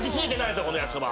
このやきそば。